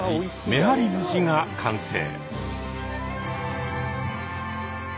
「めはり寿司」が完成。